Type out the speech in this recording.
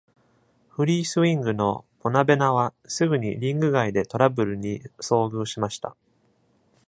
フリースイングのボナベナは、すぐにリング外でトラブルに遭遇しました。